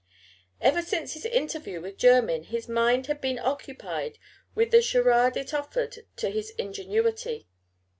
Ever since his interview with Jermyn, his mind had been occupied with the charade it offered to his ingenuity.